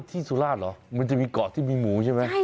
สุราชเหรอมันจะมีเกาะที่มีหมูใช่ไหม